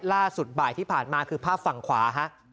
ล่าสุดบ่ายที่ผ่านมาคือภาพฝั่งขวาฮะ